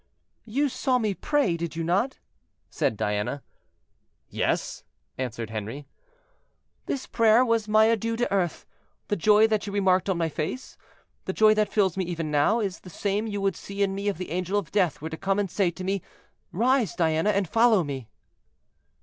"You saw me pray, did you not?" said Diana. "Yes," answered Henri. "This prayer was my adieu to earth; the joy that you remarked on my face—the joy that fills me even now, is the same you would see in me if the angel of death were to come and say to me, 'Rise, Diana, and follow me.'"